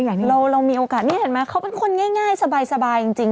อย่างที่เรามีโอกาสนี่เห็นไหมเขาเป็นคนง่ายสบายจริง